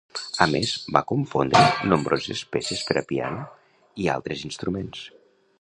A més, va compondre nombroses peces per a piano i altres instruments.